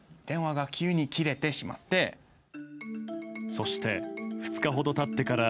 そして、２日ほど経ってから